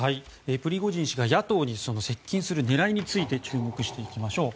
プリゴジン氏が野党に接近する狙いについて注目していきましょう。